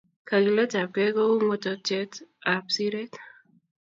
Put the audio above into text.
Kagiletab gei ko ung'otiet ab siret